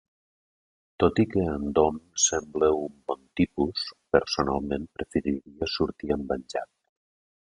Tot i que en Dom sembla un bon tipus, personalment, preferiria sortir amb en Jack.